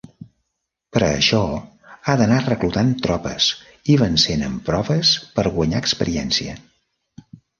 Per a això ha d'anar reclutant tropes i vencent en proves per guanyar experiència.